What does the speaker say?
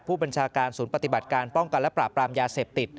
ผู้บัญชาการศูนย์ปฏิบัติการป้องกันและปราบปรามยาเสพติด